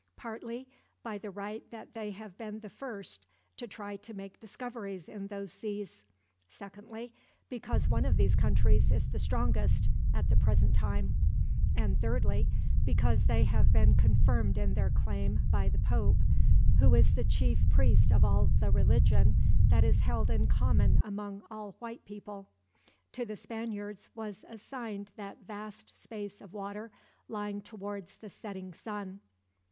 "Partly by the right that they have been the first to try to make discoveries in those seas; secondly because one of these countries is the strongest, at the present time; and thirdly, because they have been confirmed in their claim by the pope, who is the chief priest of the religion that is held in common among all white people. To the Spaniards was assigned that vast space of water lying towards the setting sun."